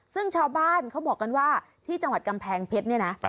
ซึ่งชาวบ้านเขาบอกกันว่าที่จังหวัดกำแพงเพชรเนี่ยนะ